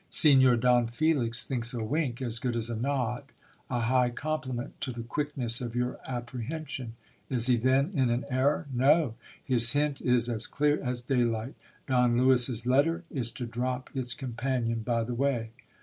Signor Don Felix thinks a wink as good as a nod. A high compliment to the quickness of your apprehension ! Is he then in an error ''. No. His hint is as clear as daylight Don Lewis's letter is to drop its companion by the way.